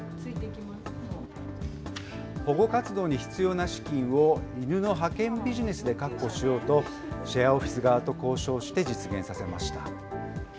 保護活動に必要な資金を犬の派遣ビジネスで確保しようと、シェアオフィス側と交渉して実現させました。